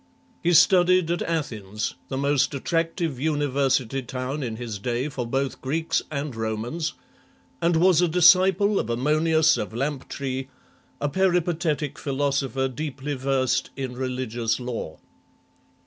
He studied at Athens, the most attractive university town in his day for both Greeks and Romans, and was a disciple of Ammonius of Lamptrae, a Peripatetic philosopher deeply versed in religious lore.